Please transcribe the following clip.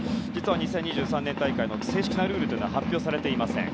まだ２０２３年大会の正式なルールは発表されていません。